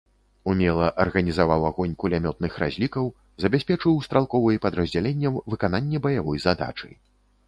Умела арганізаваў агонь кулямётных разлікаў, забяспечыў стралковай падраздзяленням выкананне баявой задачы.